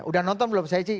udah nonton belum saya sih